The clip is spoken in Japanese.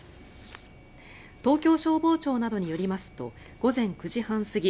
東京消防庁などによりますと午前９時半過ぎ